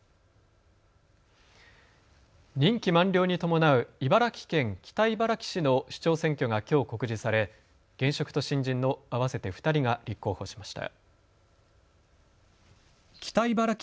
任期満了に伴う茨城県北茨城市の市長選挙がきょう告示され現職と新人の合わせて２人が立候補しました。